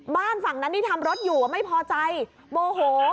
บ้านฝั่งนั้นที่ทำรถอยู่ไม่พอใจโมโห